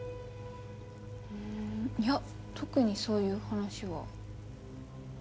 うーんいや特にそういう話は。